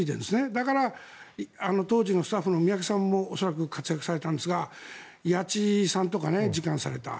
だから、当時のスタッフの宮家さんも活躍されたんですが谷内さんとか次官された。